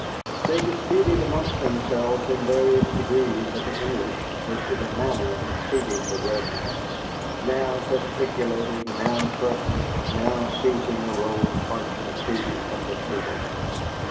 They disputed amongst themselves in various degrees of English as to the manner of treating the red man, now gesticulating, now threatening, now seizing a rolled parchment treaty from the table.